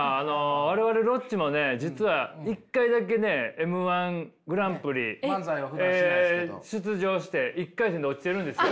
我々ロッチもね実は１回だけねＭー１グランプリ出場して１回戦で落ちてるんですよ。